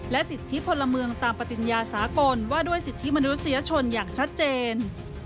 สิทธิพลเมืองตามปฏิญญาสากลว่าด้วยสิทธิมนุษยชนอย่างชัดเจน